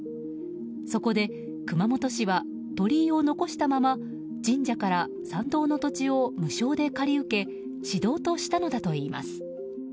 そこで、熊本市は鳥居を残したまま神社から、参道の土地を無償で借り受け市道としたのだといいます。